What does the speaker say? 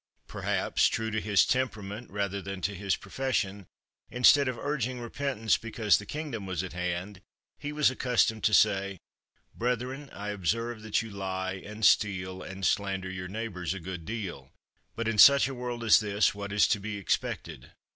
Perhaps, true to his temperament rather than to his profession, instead of urging repentance because the kingdom was at hand, he was accustomed to say: "Brethren, I observe that you lie and steal and slander your neighbors a good deal. But in such a world as this what is to be expected?